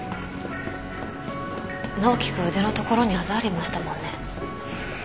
直樹君腕のところにあざありましたもんね。